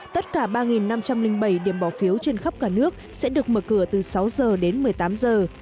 tất cả ba năm trăm linh bảy điểm bỏ phiếu trên khắp cả nước sẽ được mở cửa từ sáu giờ đến một mươi tám giờ